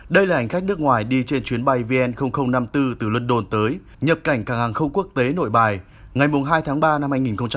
đây là hành khách nước ngoài đi trên chuyến bay vn năm mươi bốn từ london tới nhập cảnh càng hàng không quốc tế nội bài ngày hai tháng ba năm hai nghìn hai mươi